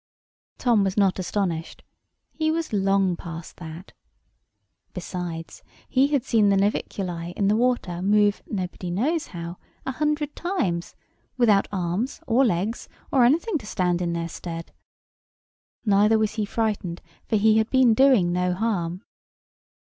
Tom was not astonished. He was long past that. Besides, he had seen the naviculæ in the water move nobody knows how, a hundred times, without arms, or legs, or anything to stand in their stead. Neither was he frightened for he had been doing no harm.